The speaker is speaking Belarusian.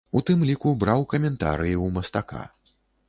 У тым ліку браў каментарыі ў мастака.